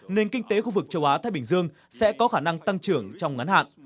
nền kinh tế khu vực châu á thái bình dương sẽ có khả năng tăng trưởng trong ngắn hạn